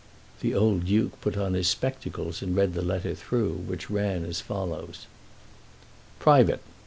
The old Duke put on his spectacles and read the letter through, which ran as follows: Private.